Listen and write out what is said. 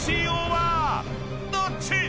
［どっち⁉］